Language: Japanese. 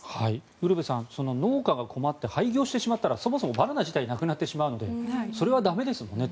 ウルヴェさん農家が困って廃業してしまったらそもそもバナナ自体なくなってしまうのでそれは駄目ですよね。